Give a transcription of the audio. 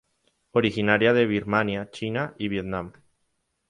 Originaria de Birmania, China y Vietnam.